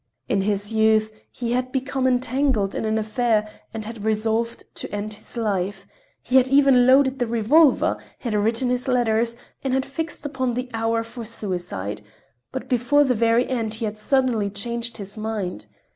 In his youth he had become entangled in an affair and had resolved to end his life; he had even loaded the revolver, had written his letters, and had fixed upon the hour for suicide—but before the very end he had suddenly changed his mind.